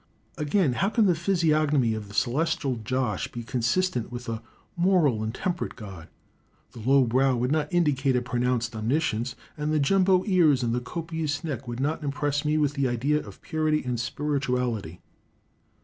Again, how can the physiognomy of the Celestial Josh be consistent with a moral and temperate god? The low brow would not indicate a pronounced omniscience, and the Jumbo ears and the copious neck would not impress me with the idea of purity and spirituality.